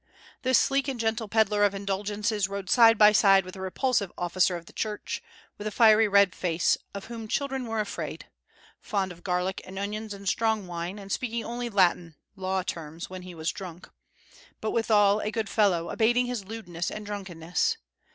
This sleek and gentle pedler of indulgences rode side by side with a repulsive officer of the Church, with a fiery red face, of whom children were afraid, fond of garlic and onions and strong wine, and speaking only Latin law terms when he was drunk, but withal a good fellow, abating his lewdness and drunkenness.